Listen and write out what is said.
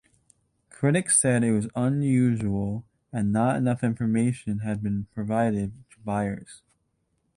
Critics said this was unusual and not enough information had been provided to buyers.